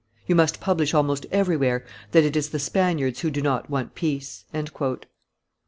You must publish almost everywhere that it is the Spaniards who do not want peace."